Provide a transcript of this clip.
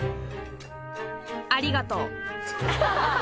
ありがとう。